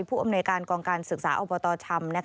ผู้อำนวยการกองการศึกษาอบตชำ